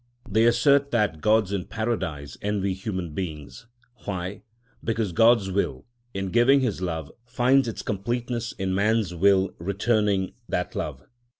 They assert that gods in Paradise envy human beings. Why? Because God's will, in giving his love, finds its completeness in man's will returning that love.